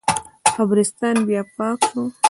قبرستان بیا پاک شو.